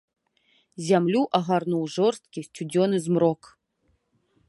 Зямлю агарнуў жорсткі сцюдзёны змрок.